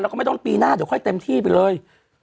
แล้วก็ไม่ต้องปีหน้าเดี๋ยวค่อยเต็มที่ไปเลย